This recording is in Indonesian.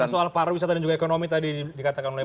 soal pariwisata dan juga ekonomi tadi